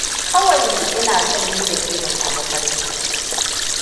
Kawai ina son ni da ke mu samu farin ciki.